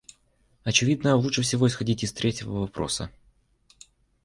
Очевидно, лучше всего исходить из третьего вопроса.